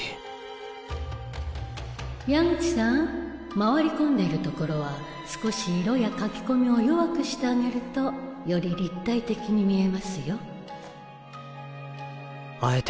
回り込んでいる所は少し色や描き込みを弱くしてあげるとより立体的に見えますよ